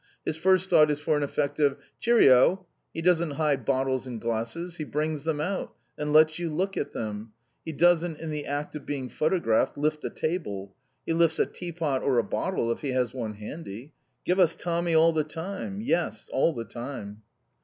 His first thought is for an effect of "Cheer oh!" He doesn't hide bottles and glasses. He brings them out, and lets you look at them. He doesn't, in the act of being photographed, lift a table. He lifts a tea pot or a bottle if he has one handy. Give us Tommy all the time. Yes. All the time!